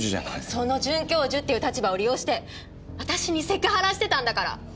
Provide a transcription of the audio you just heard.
その准教授っていう立場を利用して私にセクハラしてたんだから！